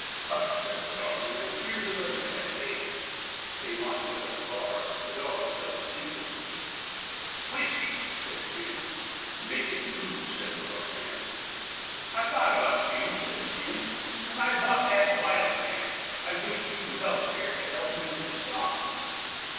"Hush!" said the dogman. "Here's another café." They lined up at the bar. The dog fell asleep at their feet. "Whiskey," said Jim. "Make it two," said the dogman. "I thought about you," said Jim, "when I bought that wild land. I wished you was out there to help me with the stock."